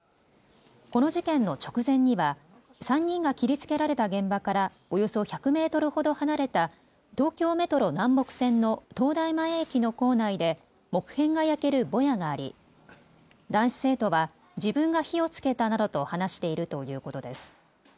この事件の直前には３人が切りつけられた現場からおよそ１００メートルほど離れた東京メトロ南北線の東大前駅の構内で木片が焼けるぼやがあり男子生徒は自分が火をつけたなどと話しているということです。